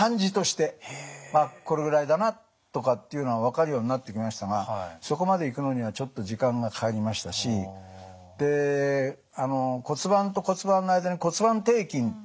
あっこのぐらいだなとかっていうのが分かるようになってきましたがそこまでいくのにはちょっと時間がかかりましたしで骨盤と骨盤の間に骨盤底筋っていうのがあってね